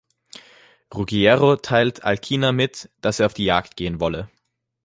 Ruggiero teilt Alcina mit, dass er auf die Jagd gehen wolle.